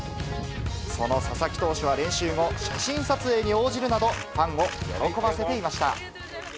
その佐々木投手は練習後、写真撮影に応じるなど、ファンを喜ばせていました。